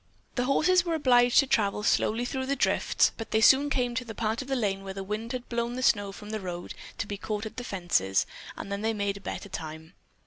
The horses were obliged to travel slowly through the drifts, but they soon came to a part of the lane where the wind had blown the snow from the road to be caught at the fences, and then they made better time.